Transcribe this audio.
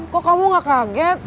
kok kamu gak kaget